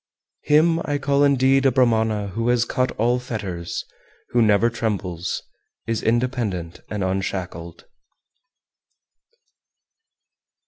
397. Him I call indeed a Brahmana who has cut all fetters, who never trembles, is independent and unshackled.